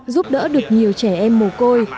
giúp đỡ được nhiều trẻ em mồ côi